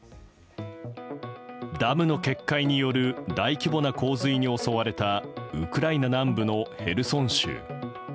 ダムの決壊による大規模な洪水に襲われたウクライナ南部のヘルソン州。